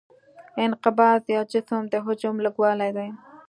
انقباض د یو جسم د حجم لږوالی دی.